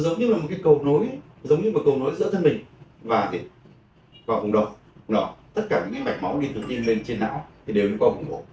tất cả những mạch máu điện thuật tiên lên trên não thì đều đến qua vùng bộ